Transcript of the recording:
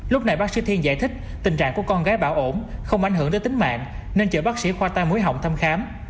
lúc này bác sĩ thiên giải thích tình trạng của con gái bảo ổn không ảnh hưởng đến tính mạng nên chở bác sĩ khoa tai mũi họng thăm khám